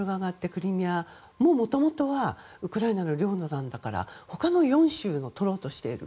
クリミアも、もともとはウクライナの領土なんだから他の４州も取ろうとしている。